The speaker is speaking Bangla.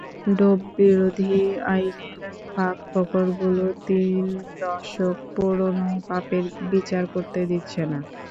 ডোপবিরোধী আইনের ফাঁকফোকরগুলো তিন দশক পুরোনো পাপের বিচার করতে দিচ্ছে না।